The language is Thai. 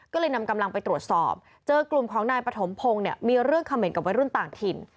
ก็เลยนำกำลังไปตรวจสอบเจอกลุ่มของนายปฐมพงศ์เนี่ยมีเรื่องเขม่นกับวัยรุ่นต่างถิ่น